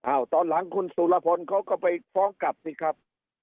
ตอนหลังคุณสุรพลเขาก็ไปฟ้องกลับสิครับ